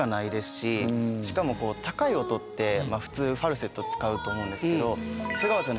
しかもこう高い音って普通ファルセット使うと思うんですけど瀬川さん